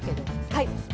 はい！